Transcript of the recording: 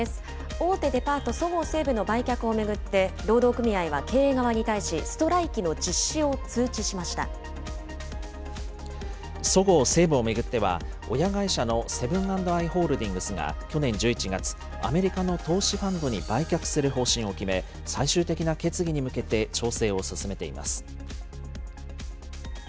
大手デパート、そごう・西武の売却を巡って、労働組合は経営側に対し、そごう・西武を巡っては、親会社のセブン＆アイ・ホールディングスが去年１１月、アメリカの投資ファンドに売却する方針を決め、最終的な決議に向けて、調整を進めています。